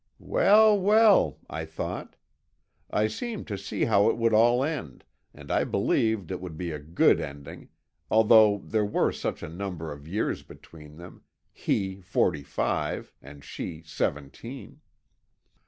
'Well, well!' I thought. I seemed to see how it would all end, and I believed it would be a good ending, although there were such a number of years between them he forty five, and she seventeen.